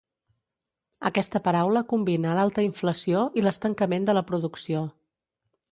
Aquesta paraula combina l'alta inflació i l'estancament de la producció.